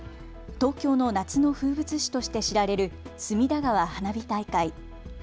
東京の夏の風物詩として知られる隅田川花火大会。